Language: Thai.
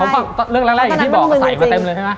เรื่องแรกที่พี่บอกภาษาอีกกว่าเต็มเลยใช่ไหม